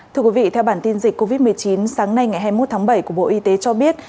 thưa quý vị theo bản tin dịch covid một mươi chín sáng nay ngày hai mươi một tháng bảy của bộ y tế cho biết